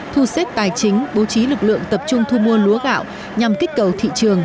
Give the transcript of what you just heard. thu xếp tài chính bố trí lực lượng tập trung thu mua lúa gạo nhằm kích cầu thị trường